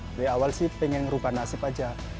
dari awal sih pengen ngerubah nasib aja